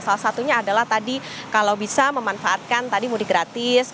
salah satunya adalah tadi kalau bisa memanfaatkan tadi mudik gratis